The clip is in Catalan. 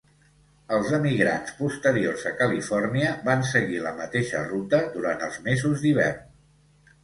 Els emigrants posteriors a Califòrnia van seguir la mateixa ruta durant els mesos d'hivern.